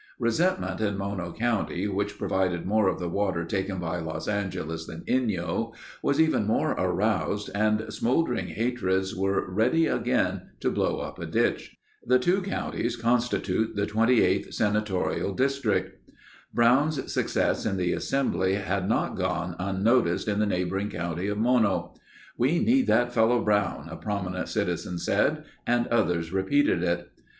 Resentment in Mono county, which provided more of the water taken by Los Angeles than Inyo, was even more aroused and smoldering hatreds were ready again to blow up a ditch. The two counties constitute the 28th Senatorial district. Brown's success in the Assembly had not gone unnoticed in the neighboring county of Mono. "We need that fellow Brown," a prominent citizen said, and others repeated it.